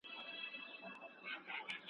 د پاچا له فقیرانو سره څه دي؟